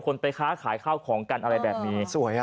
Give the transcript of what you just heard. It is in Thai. คนไปค้าขายข้าวของกันอะไรแบบนี้สวยอ่ะ